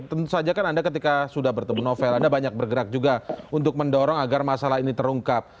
tentu saja kan anda ketika sudah bertemu novel anda banyak bergerak juga untuk mendorong agar masalah ini terungkap